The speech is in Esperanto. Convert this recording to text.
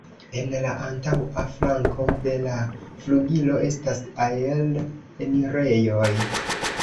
En la antaŭa flanko de la flugilo estas aer-enirejoj.